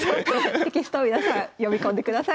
テキストを皆さん読み込んでください。